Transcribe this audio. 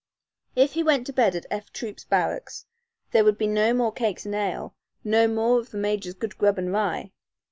If he went to bed at "F" Troop's barracks there would be no more cakes and ale, no more of the major's good grub and rye.